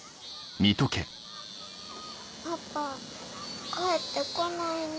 パパ帰って来ないね。